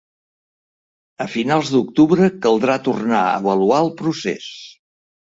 A finals d'octubre caldrà tornar a avaluar el procés.